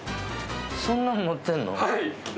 そんなん持ってんの？